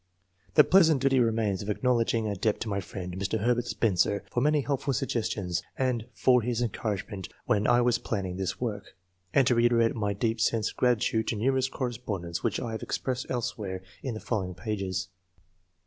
The pleasant duty remains of acknowledging a debt to my friend, Mr. Herbert Spencer, for many helpful suggestions, and for his encour agement when I was planning this work ; and to reiterate my deep sense of gratitude to numerous correspondents, which I have expressed else where in the following pages.